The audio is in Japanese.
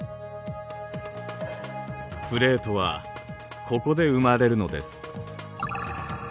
プレートはここで生まれるのです。